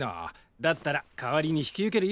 だったら代わりに引き受けるよ。